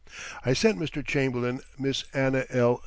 I sent Mr. Chamberlain Miss Anna L.